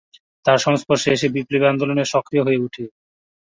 তার সংস্পর্শে এসে বিপ্লবী আন্দোলনে সক্রিয় হয়ে ওঠেন।